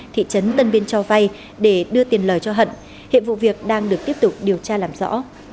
thị trấn tân biên cho vay để đưa tiền lời cho hận hiện vụ việc đang được tiếp tục điều tra làm rõ